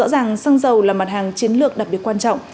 rõ ràng xăng dầu là mặt hàng chiến lược đặc biệt quan trọng